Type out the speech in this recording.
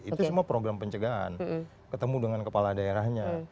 itu semua program pencegahan ketemu dengan kepala daerahnya